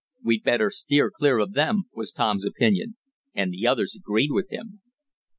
"We'd better steer clear of them," was Tom's opinion; and the others agreed with him.